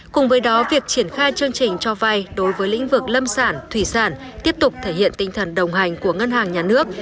cùng với đó việc triển khai chương trình cho vay đối với lĩnh vực lâm sản thủy sản tiếp tục thể hiện tinh thần đồng hành của ngân hàng nhà nước